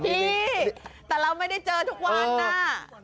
พี่แต่เราไม่ได้เจอทุกวันน่ะ